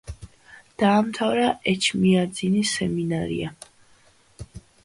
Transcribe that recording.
დაამთავრა ეჩმიაძინის სემინარია.